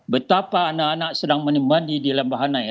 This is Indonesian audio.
betapa anak anak sedang mandi di lembahanaya